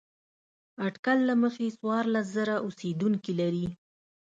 اټکل له مخې څوارلس زره اوسېدونکي لرل.